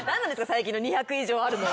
最近の２００以上あるの。